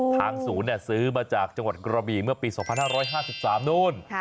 ทางศูนย์ซื้อมาจากจังหวัดกระบีเมื่อปี๒๕๕๓นู้น